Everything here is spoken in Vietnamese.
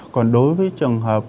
còn đối với trường hợp